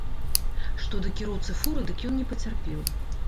Што да кіроўцы фуры, дык ён не пацярпеў.